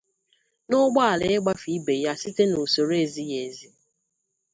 na ụgbọala ịgbafè ibè ya site n'usoro ezighị ezi.